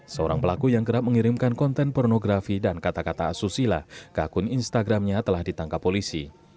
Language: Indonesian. seorang pelaku yang kerap mengirimkan konten pornografi dan kata kata asusila ke akun instagramnya telah ditangkap polisi